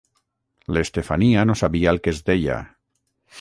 L'Estefania no sabia el que es deia.